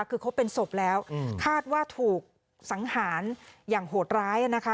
คือครบเป็นศพแล้วคาดว่าถูกสังหารอย่างโหดร้ายนะคะ